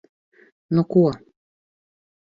Nu ko...